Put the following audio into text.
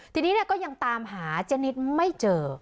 ทีนี้ก็ยังตามหาเจนิดไม่เจอ